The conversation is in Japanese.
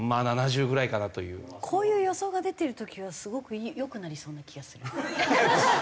こういう予想が出てる時はすごく良くなりそうな気がする。